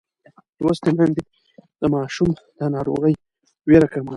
لوستې میندې د ماشوم د ناروغۍ وېره کموي.